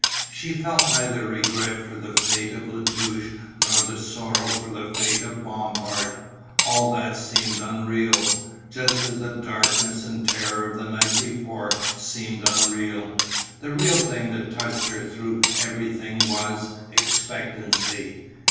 She felt neither regret for the fate of La Touche nor sorrow for the fate of Bompard, all that seemed unreal, just as the darkness and terror of the night before seemed unreal. The real thing that touched her through everything was Expectancy.